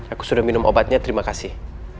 aku sudah minum obatnya terima kasih